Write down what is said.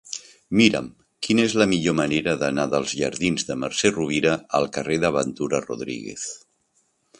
Mira'm quina és la millor manera d'anar dels jardins de Mercè Rovira al carrer de Ventura Rodríguez.